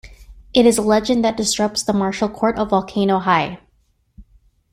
It is a legend that disrupts the Martial Court of Volcano High.